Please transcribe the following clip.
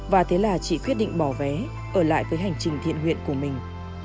và thế là chị quyết định bỏ vé ở lại với hành trình thiện nguyện của mình